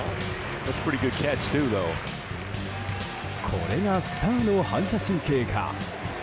これがスターの反射神経か。